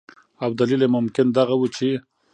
او دلیل یې ممکن دغه ؤ چې